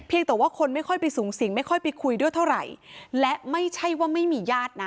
แต่ว่าคนไม่ค่อยไปสูงสิงไม่ค่อยไปคุยด้วยเท่าไหร่และไม่ใช่ว่าไม่มีญาตินะ